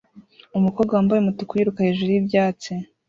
umukobwa wambaye umutuku yiruka hejuru y'ibyatsi